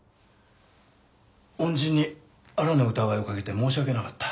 恩人にあらぬ疑いをかけて申し訳なかった。